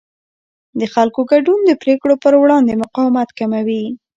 د خلکو ګډون د پرېکړو پر وړاندې مقاومت کموي